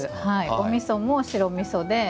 おみそも白みそで